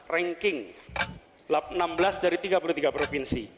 ranking enam belas dari tiga puluh tiga provinsi